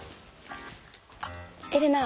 あエレナ